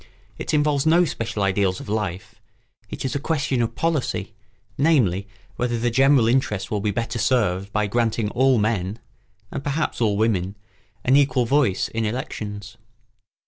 It involves no special ideals of life; it is a question of policy, namely, whether the general interest will be better served by granting all men (and perhaps all women) an equal voice in elections.